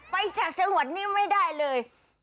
ไปจากสถานีไม่ได้เลย